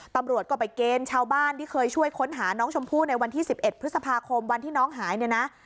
ตำรวจก็ไปเกณฑ์ชาวบ้านที่เคยช่วยค้นหาน้องชมพู่ในวันที่๑๑พฤษภาคมวันที่น้องหายเนี่ยนะ